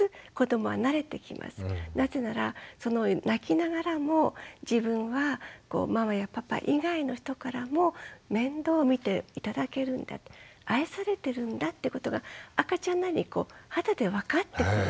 なぜならその泣きながらも自分はママやパパ以外の人からも面倒を見て頂けるんだって愛されてるんだってことが赤ちゃんなりに肌で分かってくる。